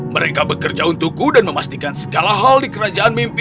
mereka bekerja untukku dan memastikan segala hal di kerajaan mimpi